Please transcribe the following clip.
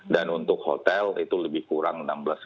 dan untuk hotel itu lebih kurang enam belas lima ratus